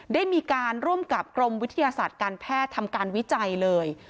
ได้มีการร่วมกับกรมวิทยาศาสตร์การแพทย์ทำการวิจัยเลย